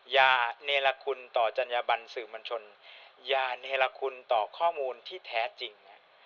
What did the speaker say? อย่าเนรคุณต่อจัญญาบันสื่อมวลชนอย่าเนรคุณต่อข้อมูลที่แท้จริง